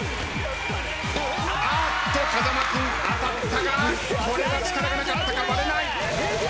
あっと風間君当たったが力がなかったか割れない。